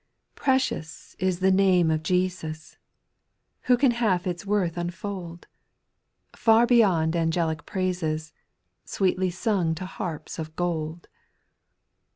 pRECIOUS is the name of Jesus ! X Who can half its worth unfold ? Far beyond angelic praises, Sweetly sung to harps of gold.